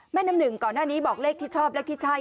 น้ำหนึ่งก่อนหน้านี้บอกเลขที่ชอบเลขที่ใช่